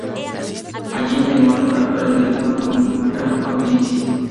Allí la llamaron para actuar en directo ante una gran audiencia.